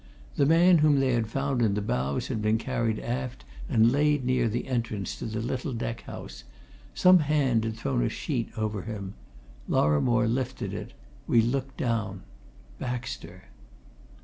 The man whom they had found in the bows had been carried aft and laid near the entrance to the little deck house some hand had thrown a sheet over him. Lorrimore lifted it we looked down. Baxter!